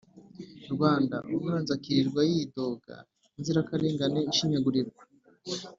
rwanda umwanzi akirirwa yidoga inzirakarengane ishinyagurirwa